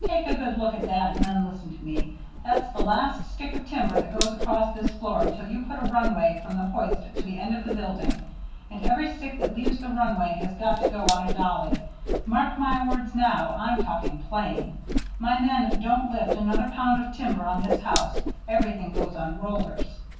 Take a good look at that, and then listen to me. That's the last stick of timber that goes across this floor until you put a runway from the hoist to the end of the building. And every stick that leaves the runway has got to go on a dolly. Mark my words now I'm talking plain. My men don't lift another pound of timber on this house everything goes on rollers.